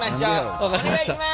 お願いします。